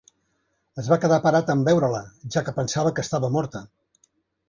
Es va quedar parat en veure-la, ja que pensava que estava morta.